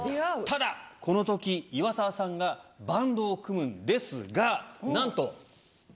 ただこの時岩沢さんがバンドを組むんですがなんと。